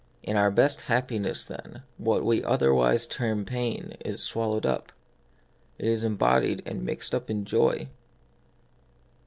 In our best happiness, then, what we other wise term pain is swallowed up. It is embo died and mixed up in the joy.